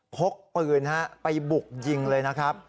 พกปืนไปบุกยิงเลยนะครับ